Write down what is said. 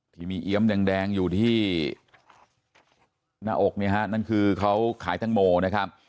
ที่มีเอี๊ยมแดงอยู่ที่หน้าอกเนี่ยฮะนั่นคือเขาขายแตงโมนะครับ